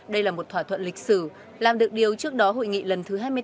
đây là một thỏa thuận lịch sử làm được điều trước đó hội nghị lần thứ hai mươi năm